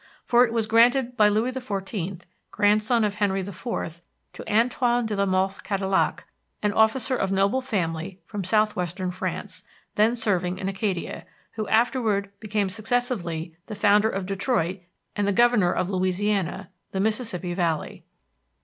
For it was granted by Louis XIV, grandson of Henry IV, to Antoine de la Mothe Cadillac, an officer of noble family from southwestern France, then serving in Acadia, who afterward became successively the founder of Detroit and Governor of Louisiana the Mississippi Valley.